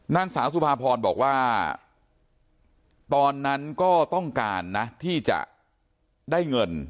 นางสาวสุภาพรบอกว่าตอนนั้นก็ต้องการนะที่จะได้เงิน